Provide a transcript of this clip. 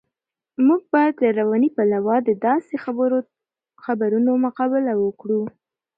موږ باید له رواني پلوه د داسې خبرونو مقابله وکړو.